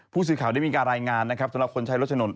ผู้สื่อข่าวได้มีการรายงานนะครับสำหรับคนใช้รถถนน